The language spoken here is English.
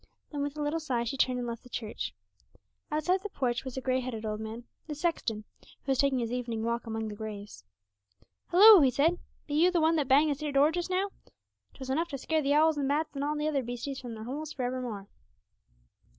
Then with a little sigh she turned and left the church. Outside the porch was a grey headed old man, the sexton, who was taking his evening walk amongst the graves. 'Hulloo!' he said, 'be you the one that banged this 'ere door just now? 'Twas enough to scare the owls and bats and all the other beasties from their holes for evermore.'